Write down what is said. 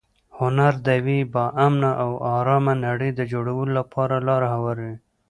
هنر د یوې با امنه او ارامه نړۍ د جوړولو لپاره لاره هواروي.